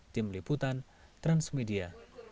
tim liputan transmedia